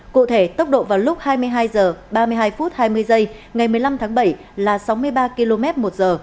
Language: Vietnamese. cụ thể tốc độ vào lúc hai mươi hai h ba mươi hai hai mươi ngày một mươi năm tháng bảy là sáu mươi ba km một h